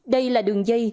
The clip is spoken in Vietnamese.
đây là đường dây